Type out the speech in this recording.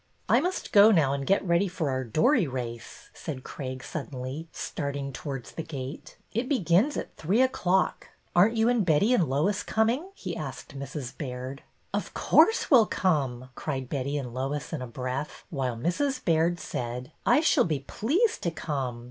" I must go now and get ready for our dory race," said Craig suddenly, starting towards the gate. It begins at three o'clock. Are n't you and Betty and Lois coming?" he asked Mrs. Baird. Of course we 'll come," cried Betty and Lois in a breath, while Mrs. Baird said: I shall be pleased to come.